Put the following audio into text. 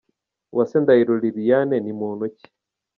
Uwase Ndahiro Liliane ni muntu ki?.